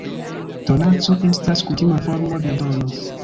Donaco estas kutima formo de dono.